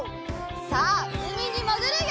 さあうみにもぐるよ！